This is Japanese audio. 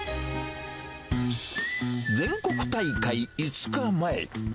全国大会５日前。